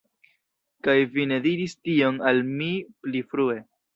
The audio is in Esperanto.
Kaj vi ne diris tion al mi pli frue!